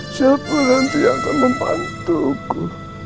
siapa nanti akan membantuku